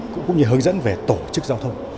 cũng như hướng dẫn về tổ chức giao thông